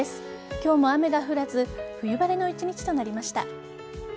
今日も雨が降らず冬晴れの１日となりました。